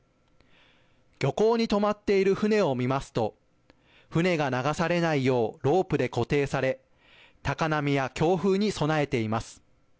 漁港に止まっている船を見ますと船が流されないようロープで固定され高波や強風に備えています。